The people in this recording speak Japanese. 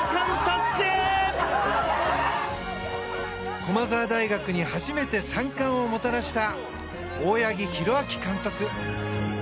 駒澤大学に初めて３冠をもたらした大八木弘明監督。